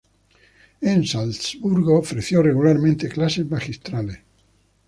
En Salzburgo ofreció regularmente clases magistrales.